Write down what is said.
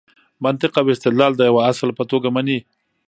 منطق او استدلال د یوه اصل په توګه مني.